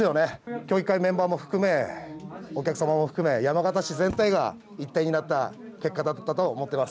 協議会メンバーも含めお客様も含め山形市全体が一体になった結果だと思ってます。